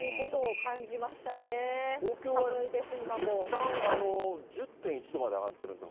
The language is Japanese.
寒いです、東京はいったん、１０．１度まで上がってるんですよ。